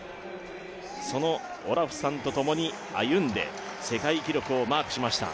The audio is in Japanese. そのオラフさんと共に歩んで世界記録をマークしました。